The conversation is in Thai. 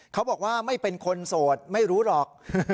เขาบอกว่าไม่เป็นคนโสดไม่รู้หรอก